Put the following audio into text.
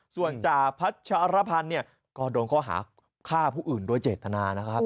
ส่วนจาพัชรพันธุ์ก็โดนเข้าหาฆ่าผู้อื่นด้วยเจตนานะครับ